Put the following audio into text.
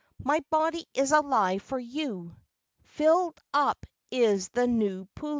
My body is alive for you! Filled up is the Nuu pule.